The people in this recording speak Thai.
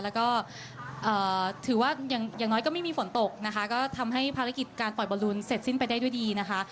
แล้วก็ถือว่าอย่างน้อยก็ไม่มีฝนตกนะคะก็ทำให้ภารกิจการปล่อยบอลลูนเสร็จสิ้นไปได้ด้วยดีนะคะ